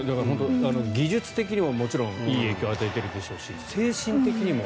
技術的にも、もちろんいい影響を与えているでしょうし精神的にも。